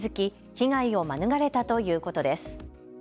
被害を免れたということです。